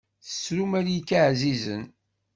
Tettru malika ɛzizen.